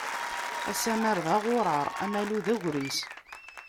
Asammer d aɣuṛaṛ, amalu d agris.